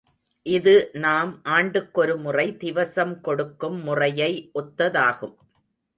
இது நாம் ஆண்டுக்கொருமுறை திவசம் கொடுக்கும் முறையை ஒத்ததாகும்.